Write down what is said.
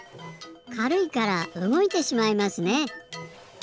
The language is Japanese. かるいからうごいてしまいますね。